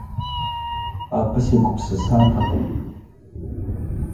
Абы сегупсысатэкъым.